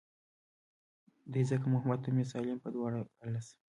دے ځکه محبت ته مې سالم پۀ دواړه السه